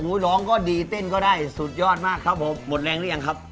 ร้องก็ดีเต้นก็ได้สุดยอดมากครับผมหมดแรงหรือยังครับ